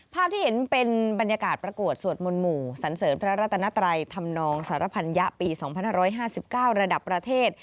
ภาพที่เห็นเป็นบรรยากาศประกวดสวดมนต์หมู่สันเสริญพระรัตนัตรัยธรรมนองสารพัญญะปี๒๕๕๙ระดับประเทศ